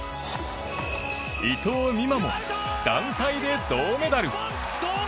伊藤美誠も団体で銅メダル。